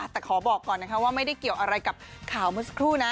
แต่ขอบอกก่อนนะคะว่าไม่ได้เกี่ยวอะไรกับข่าวเมื่อสักครู่นะ